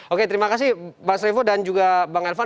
oke terima kasih mas revo dan juga bang elvan